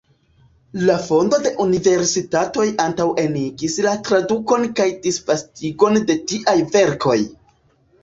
La fondo de universitatoj antaŭenigis la tradukon kaj disvastigon de tiaj verkoj.